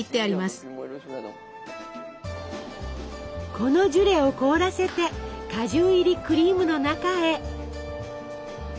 このジュレを凍らせて果汁入りクリームの中へ。